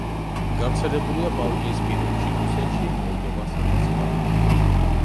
გავრცელებულია ბალტიისპირეთში, რუსეთში, მოლდოვასა და სხვაგან.